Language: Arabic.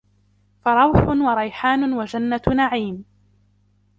فَرَوْحٌ وَرَيْحَانٌ وَجَنَّةُ نَعِيمٍ